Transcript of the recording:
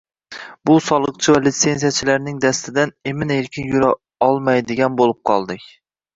Bu soliqchi va lisenziyachilarning dastidan emin-erkin yura olmaydigan bo`lib qoldik